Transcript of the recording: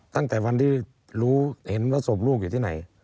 ตั้งแต่วันที่รู้เห็นว่าศพลูกอยู่ที่ไหน